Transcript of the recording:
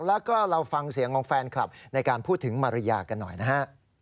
แล้วก็เราฟังเสียงของแฟนคลับในการพูดถึงมาริยากันหน่อยนะฮะ